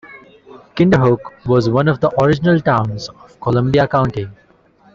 Kinderhook was one of the original towns of Columbia County.